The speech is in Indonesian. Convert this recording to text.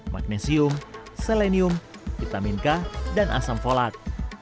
magnesium selenium vitamin k dan asam folat